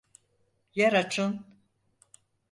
Yer açın!